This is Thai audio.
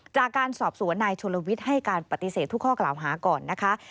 จากการสอบสวนนายชนลวิทย์ให้การปฏิเสธทุกข้อกล่าวหาก่อนนะคะ